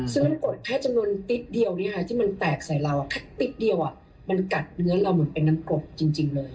ซึ่งน้ำกรดแค่จำนวนติ๊บเดียวที่มันแตกใส่เราแค่ติ๊บเดียวมันกัดเนื้อเราเหมือนเป็นน้ำกรดจริงเลย